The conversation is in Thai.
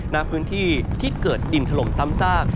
ณพื้นที่ที่เกิดดินถล่มซ้ำซาก